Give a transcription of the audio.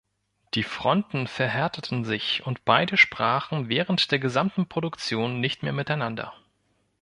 Die Fronten verhärteten sich, und beide sprachen während der gesamten Produktion nicht mehr miteinander.